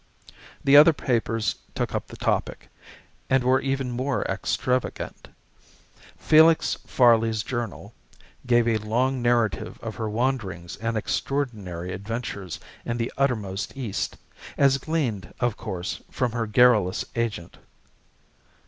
The other papers took up the topic, and were even more extravagant. "Felix Farley's Journal" gave a long narrative of her wanderings and extraordinary adventures in the uttermost East, as gleaned, of course, from her garrulous agent.